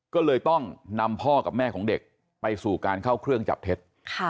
ก็เลยต้องนำพ่อกับแม่ของเด็กไปสู่การเข้าเครื่องจับเท็จ